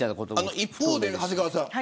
一方で長谷川さん